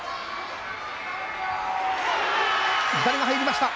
左が入りました。